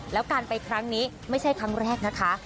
แล้วการไปครั้งนี้ไม่ใช่ครั้งแรกนะคะ